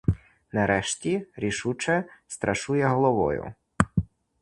Нарешті, рішуче струшує головою.